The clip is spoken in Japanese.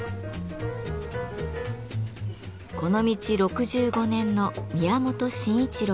この道６５年の宮本晨一郎さん。